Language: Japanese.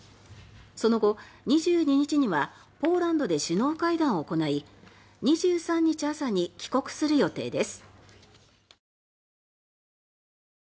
その後２２日にはポーランドで首脳会談を行い２３日朝に帰国する予定です。